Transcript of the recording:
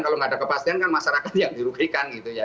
kalau nggak ada kepastian kan masyarakat yang dirugikan gitu ya